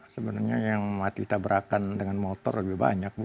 sebenarnya yang mati tabrakan dengan motor lebih banyak bu